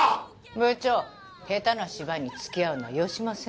部長下手な芝居に付き合うのはよしませんか？